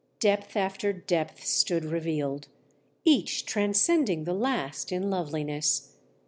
Depth after depth stood revealed, each transcending the last in loveliness.